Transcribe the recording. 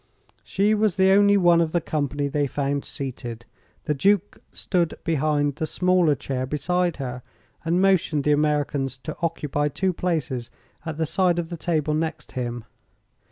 She was the only one of the company they found seated. The Duke stood behind the smaller chair beside her, and motioned the Americans to occupy two places at the side of the table next him.